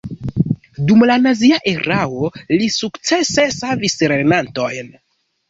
Dum la nazia erao li sukcese savis lernantojn.